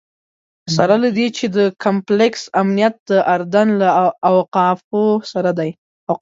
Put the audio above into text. سره له دې چې د کمپلکس امنیت د اردن له اوقافو سره دی.